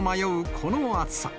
この暑さ。